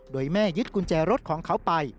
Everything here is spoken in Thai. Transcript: โดยแม่ยึดกุญแจรถของเขาไป